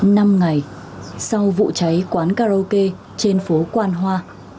năm ngày sau vụ cháy quán karaoke trên phố quan hoa